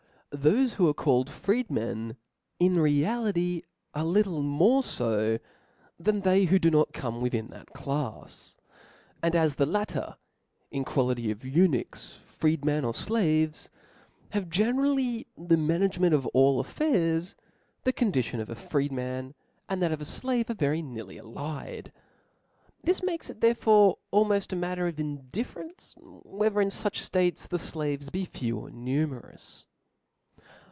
Thofe who are called freemen, in reality are little more fo than they who do not come within that clafs ; and as the latter in qua lity of eunuchs, freedmen, or flaves, have genc '; rally OF LAWS, 359^ rally the mj^nagemcnt of all affairs, the condition ^ ^v '^ of a freeman and th^t of a flave are very nearly Chap, i^^ allied. This makes it therefore almoft a matter of indifference whether in fuch ftates the flaves ^e few or numerous.